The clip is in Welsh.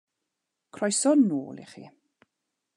Croeso nôl i chi.